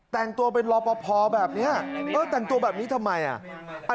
แต่งตัวเป็นรอปภแบบนี้แต่งตัวแบบนี้ทำไมอ่ะ